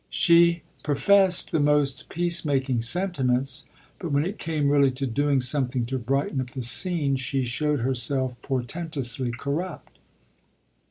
She professed the most peace making sentiments, but when it came really to doing something to brighten up the scene she showed herself portentously corrupt.